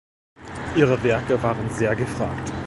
Ihre Werke waren sehr gefragt.